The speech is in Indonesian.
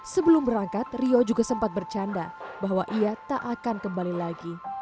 sebelum berangkat rio juga sempat bercanda bahwa ia tak akan kembali lagi